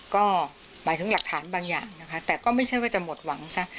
ก็หมายถึงหลักฐานบางอย่างนะคะแต่ก็ไม่ใช่ว่าจะหมดหวังซะ